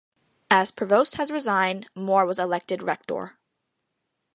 As Provoost had resigned, Moore was elected rector.